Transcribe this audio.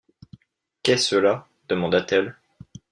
Qu’est cela? demanda-t-elle.